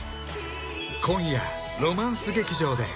「今夜、ロマンス劇場で」